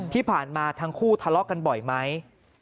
ที่ผ่านมาทั้งคู่ทะเลาะกันบ่อยไหม